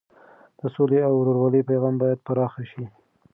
د سولې او ورورولۍ پیغام باید پراخه شي.